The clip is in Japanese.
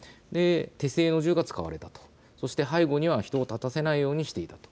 手製の銃が使われた、そして背後には人を立たせないようにしていたと。